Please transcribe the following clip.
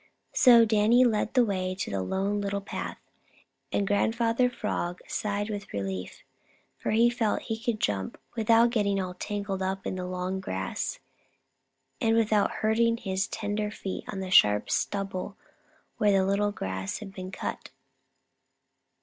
So Danny led the way to the Lone Little Path, and Grandfather Frog sighed with relief, for here he could jump without getting all tangled up in long grass and without hurting his tender feet on sharp stubble where the grass had been cut.